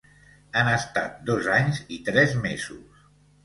Han estat dos anys i tres mesos.